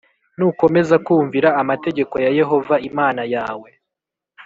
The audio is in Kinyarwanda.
Nukomeza kumvira amategeko ya Yehova Imana yawe